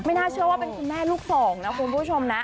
น่าเชื่อว่าเป็นคุณแม่ลูกสองนะคุณผู้ชมนะ